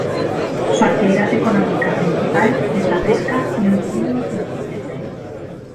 Su actividad económica principal es la pesca y un turismo incipiente.